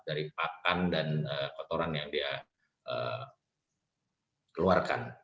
dari pakan dan kotoran yang dia keluarkan